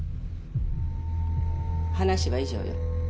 話は以上よ。